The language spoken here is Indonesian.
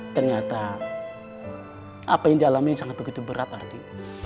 ternyata apa yang dialami sangat begitu berat ardi